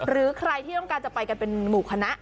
หรือใครที่ต้องการจะไปกันเป็นหมู่คณะ